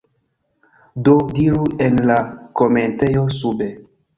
Do, diru en la komentejo sube